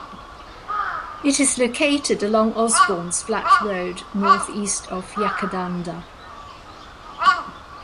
It is located along Osbornes Flat Road, north-east of Yackandandah.